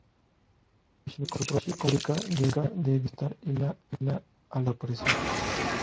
Mitsubishi compró la fábrica de Diamond-Star y la alianza desapareció.